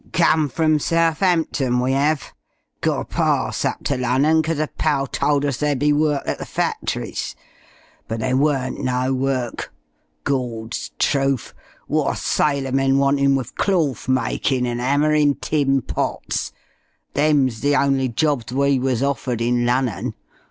"Come from Southampton, we 'ave. Got a parss up to Lunnon, 'cause a pal told us there'd be work at the factories. But there weren't no work. Gawd's truf! What're sailormen wantin' wi' clorth makin' and 'ammering' tin pots? Them's the only jobs we wuz offered in Lunnon.